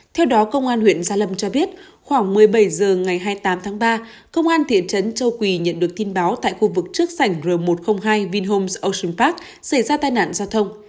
theo đó công an huyện gia lâm cho biết khoảng một mươi bảy h ngày hai mươi tám tháng ba công an thị trấn châu quỳ nhận được tin báo tại khu vực trước sảnh r một trăm linh hai vinhome ocean park xảy ra tai nạn giao thông